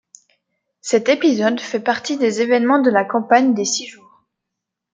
Cet épisode fait partie des évènements de la campagne des Six-Jours.